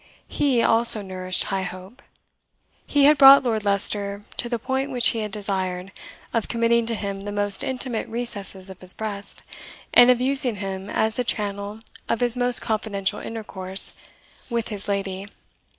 HE also nourished high hope. He had brought Lord Leicester to the point which he had desired, of committing to him the most intimate recesses of his breast, and of using him as the channel of his most confidential intercourse with his lady.